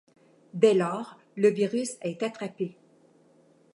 Dès lors, le virus est attrapé.